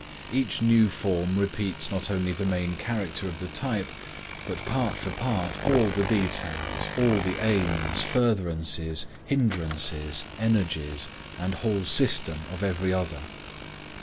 Each new form repeats not only the main character of the type, but part for part all the details, all the aims, furtherances, hindrances, energies and whole system of every other.